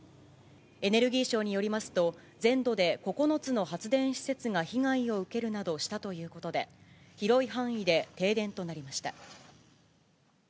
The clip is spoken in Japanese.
エネルギー相によりますと、全土で９つの発電施設が被害を受けるなどしたということで、広い範囲で停電となりました。